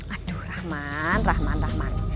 aduh rahman rahman rahman